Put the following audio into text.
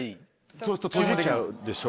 そうすると閉じちゃうでしょ。